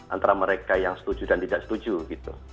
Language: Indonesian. antara mereka yang setuju dan tidak setuju gitu